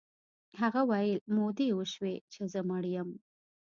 هغه ویل مودې وشوې چې زه مړ یم